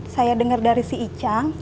saya dengar dari si icang